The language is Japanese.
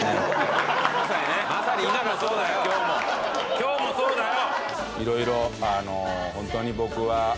今日もそうだよ！